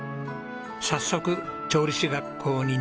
早速調理師学校に入学。